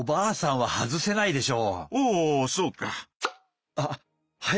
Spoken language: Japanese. おおそうか。